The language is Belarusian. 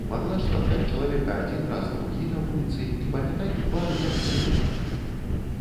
Магла ж спаткаць чалавека адзін раз, другі на вуліцы і памятаць твар, як знаёмага.